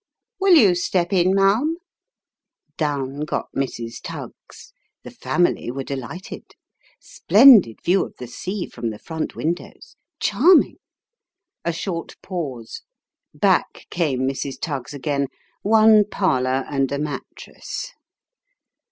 " Will you step in, ma'am ?" Down got Mrs. Tuggs. The family were delighted. Splendid view of the sea from the front windows charming! A short pause. Back came Mrs. Tuggs again. One parlour and a mattress.